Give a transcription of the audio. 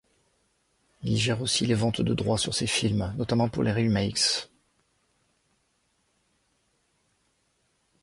Il gère aussi les ventes de droits sur ces films, notamment pour des remakes.